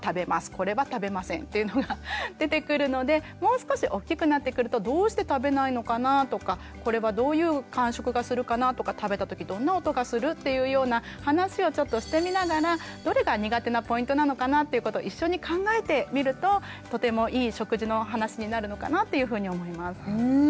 これは食べませんっていうのが出てくるのでもう少し大きくなってくると「どうして食べないのかな？」とか「これはどういう感触がするかな？」とか「食べた時どんな音がする？」っていうような話をちょっとしてみながらどれが苦手なポイントなのかなっていうことを一緒に考えてみるととてもいい食事の話になるのかなっていうふうに思います。